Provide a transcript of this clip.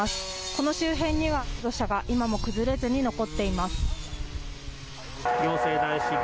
この周辺には土砂が今も崩れずに残っています。